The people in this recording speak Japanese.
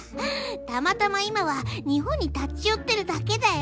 たまたま今は日本に立ちよってるだけだよ。